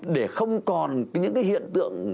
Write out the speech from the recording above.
để không còn những cái hiện tượng